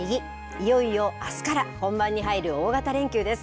いよいよあすから本番に入る大型連休です。